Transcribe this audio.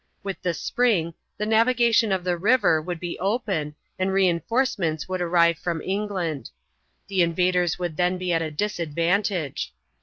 With the spring the navigation of the river would be open and re enforcements would arrive from England. The invaders would then be at a disadvantage.